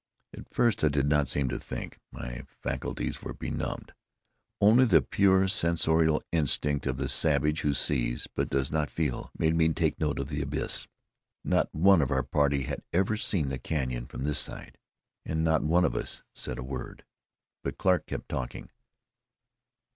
At first I did not seem to think; my faculties were benumbed; only the pure sensorial instinct of the savage who sees, but does not feel, made me take note of the abyss. Not one of our party had ever seen the canyon from this side, and not one of us said a word. But Clarke kept talking.